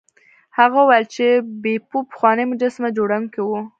هغه وویل چې بیپو پخوانی مجسمه جوړونکی و.